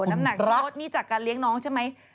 น้ำหนักโทษนี่จากการเลี้ยงน้องใช่ไหม